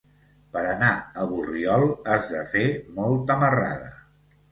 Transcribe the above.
Per anar a Borriol has de fer molta marrada.